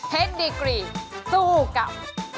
เพชรดิกรีสู้กับ